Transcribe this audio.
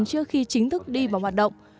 trước khi chính thức đi vào hoạt động